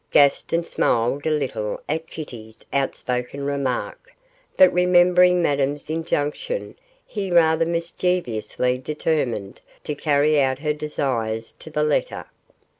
Gaston smiled a little at Kitty's outspoken remark, but remembering Madame's injunction he rather mischievously determined to carry out her desires to the letter.